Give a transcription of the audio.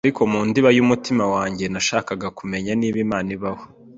ariko mu ndiba y’ umutima wanjye nashakaga kumenya niba Imana ibaho...